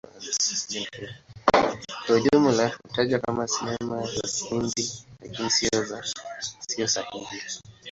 Kwa ujumla hutajwa kama Sinema za Kihindi, lakini hiyo si sahihi.